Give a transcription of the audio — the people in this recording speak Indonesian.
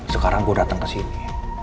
sekarang gue datang ke sini